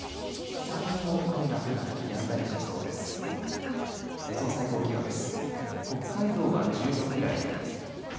山陰も雨が降ったりやんだりしそうです。